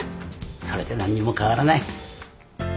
それで何にも変わらない